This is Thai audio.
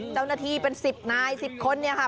เจ้าหน้าที่เป็น๑๐นาย๑๐คนเนี่ยค่ะ